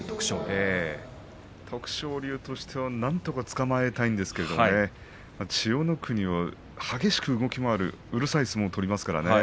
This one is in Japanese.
徳勝龍としてはなんとかつかまえたいんですけどね千代の国は激しく動き回るうるさい相撲を取りますからね。